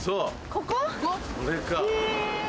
これか。